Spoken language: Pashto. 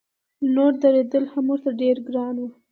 نور درېدل هم ورته ډېر ګران و.